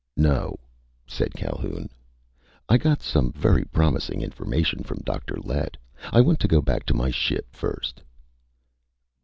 "No," said Calhoun. "I got some very promising information from Dr. Lett. I want to go back to my ship first."